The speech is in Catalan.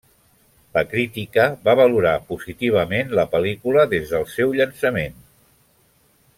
La crítica va valorar positivament la pel·lícula des del seu llançament.